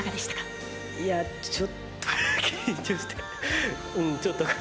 いやちょっと。